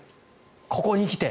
ここにきて。